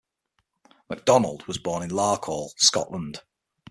Macdonald was born in Larkhall, Scotland.